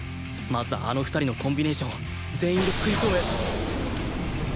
まずあの２人のコンビネーションを全員で食い止め